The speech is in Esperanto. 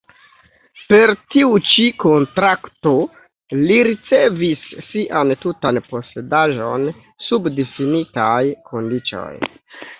Per tiu ĉi kontrakto li ricevis sian tutan posedaĵon sub difinitaj kondiĉoj.